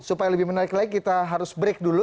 supaya lebih menarik lagi kita harus break dulu